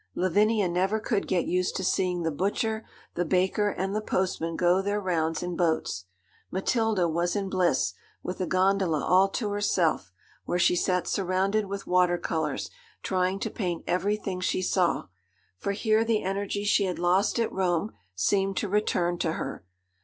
Lavinia never could get used to seeing the butcher, the baker, and the postman go their rounds in boats. Matilda was in bliss, with a gondola all to herself, where she sat surrounded with water colours, trying to paint everything she saw; for here the energy she had lost at Rome seemed to return to her.